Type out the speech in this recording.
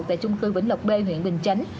tại chung cư vĩnh lộc b huyện bình chánh